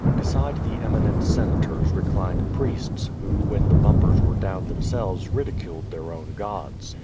Beside the eminent senators reclined priests who when the bumpers were down themselves ridiculed their own gods.